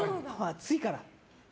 暑いから。